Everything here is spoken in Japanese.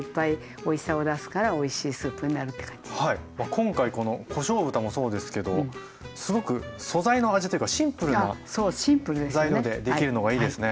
今回このこしょう豚もそうですけどすごく素材の味というかシンプルな材料でできるのがいいですね。